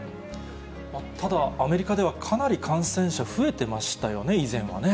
ただ、アメリカではかなり感染者増えてましたよね、以前はね。